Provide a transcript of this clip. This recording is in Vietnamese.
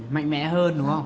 mạnh mẽ hơn đúng không